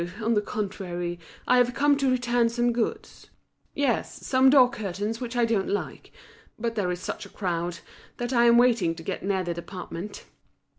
On the contrary, I have come to return some goods. Yes, some door curtains which I don't like. But there is such a crowd that I am waiting to get near the department."